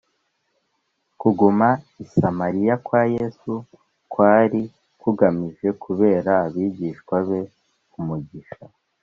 Kuguma i Samariya kwa Yesu kwari kugamije kubera abigishwa be umugisha,